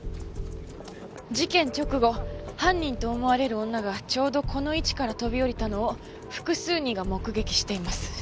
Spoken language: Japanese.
事件直後犯人と思われる女がちょうどこの位置から飛び降りたのを複数人が目撃しています。